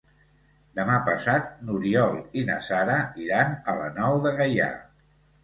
Demà passat n'Oriol i na Sara iran a la Nou de Gaià.